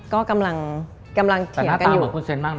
ก็กำลังเถียงกันอยู่แต่หน้าตาเหมือนคุณเซ็นต์บ้างนะ